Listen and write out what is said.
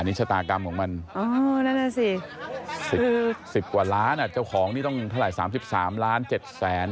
นิชาตากรรมของมันอ๋อนั่นแหละสิสิบกว่าร้านอ่ะเจ้าของนี่ต้องเท่าไหร่สามสิบสามล้านเจ็ดแสน